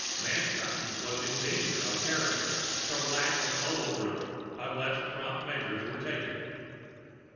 Mankind was in danger of perishing for lack of elbow room unless prompt measures were taken.